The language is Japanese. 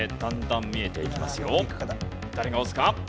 誰が押すか？